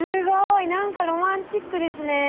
何かロマンチックですね。